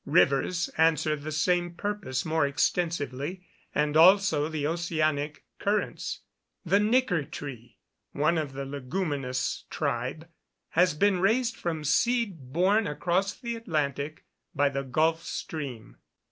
Rivers answer the same purpose more extensively, and also the oceanic currents. The nicker tree, one of the leguminous tribe, has been raised from seed borne across the Atlantic by the Gulf stream.